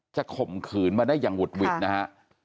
ข่มขืนมาได้อย่างหุดหวิดนะฮะ